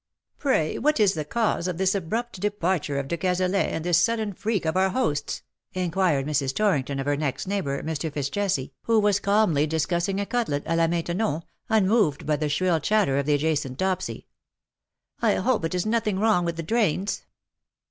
^' Pray what is the cause of this abrupt departure of de Cazalet, and this sudden freak of our host's T^ inquired Mrs. Torrington of her next neighbour, Mr. Fitz Jesse,, who was calmly discussing a cutlet a la Maintenon, unmoved by the shrill chatter of the adjacent Dopsy. " I hope it is nothing wrong with the drains."